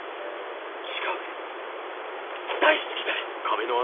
違うよ大好きだよ！